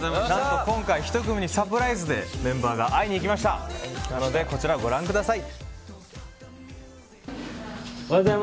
今回、１組にサプライズでメンバーが会いに行きましたのでこちらをご覧ください。